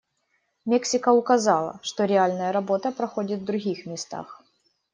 Мексика указала, что реальная работа проходит в других местах.